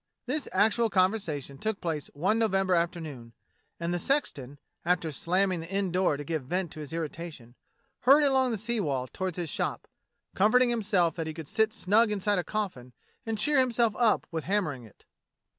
This actual conversation took place one November afternoon, and the sexton, after slamming the inn door to give vent to his irritation, hurried along the sea wall toward his shop, comforting himself that he could sit snug inside a coffin and cheer himself up with hammer ing it.